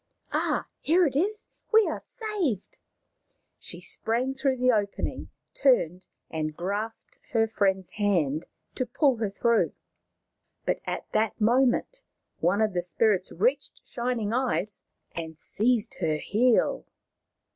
" Ah, here it is. We are saved !" She sprang through the opening, turned, and grasped her friend's hand to pull her through. But at that moment one of the spirits reached Shining Eyes and seized her heel.